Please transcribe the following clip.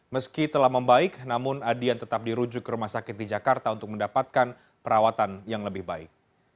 meski telah membaik namun adian tetap dirujuk ke rumah sakit di jakarta untuk mendapatkan perawatan yang lebih baik